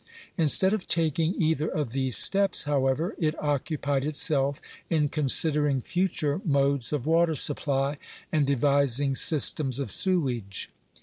Instead of taking either of these steps, however, it occupied itself in considering future modes of water supply, wad devis ing systems of sewage.